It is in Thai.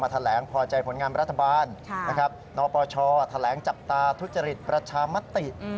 แถลงพอใจผลงานรัฐบาลนปชแถลงจับตาทุจริตประชามติ